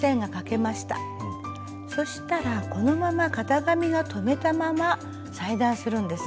そしたらこのまま型紙を留めたまま裁断するんです。